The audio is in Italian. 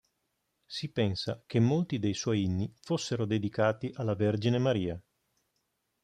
Si pensa che molti dei suoi inni fossero dedicati alla vergine Maria.